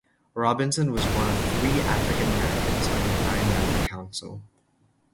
Robinson was one of three African Americans on the nine member council.